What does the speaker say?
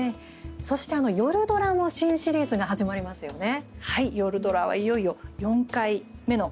そして夜ドラの新シリーズが始まりますよね。